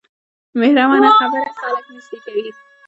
مهربانه خبرې خلک نږدې کوي.